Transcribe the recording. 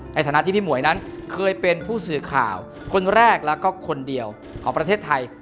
ในฐานะที่พี่หมวยนั้นเคยเป็นผู้สื่อข่าวคนแรกแล้วก็คนเดียวของประเทศไทย